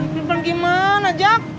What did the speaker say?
pelimplan gimana jack